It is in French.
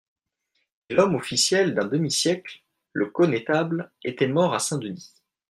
Et l'homme officiel d'un demi-siècle, le connétable, était mort à Saint-Denis.